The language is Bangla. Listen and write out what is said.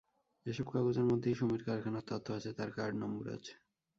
এসব কাগজের মধ্যেই সুমির কারখানার তথ্য আছে, তাঁর কার্ড নম্বর আছে।